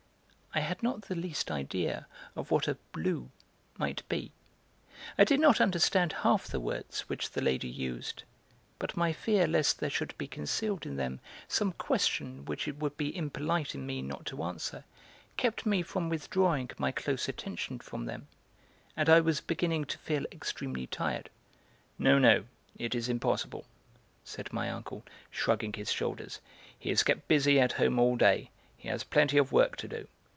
I had not the least idea of what a 'blue' might be. I did not understand half the words which the lady used, but my fear lest there should be concealed in them some question which it would be impolite in me not to answer kept me from withdrawing my close attention from them, and I was beginning to feel extremely tired. "No, no; it is impossible," said my uncle, shrugging his shoulders. "He is kept busy at home all day; he has plenty of work to do.